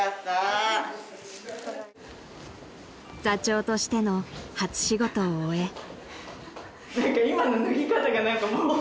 ［座長としての初仕事を終え］